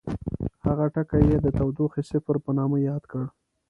هغه ټکی یې د تودوخې صفر په نامه یاد کړ.